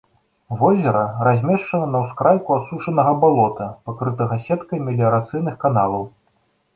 Возера размешчана на ўскрайку асушанага балота, пакрытага сеткай меліярацыйных каналаў.